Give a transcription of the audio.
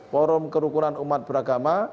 forum kerukunan umat beragama